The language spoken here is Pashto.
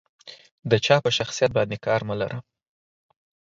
د جا په شخصيت باندې کار مه لره.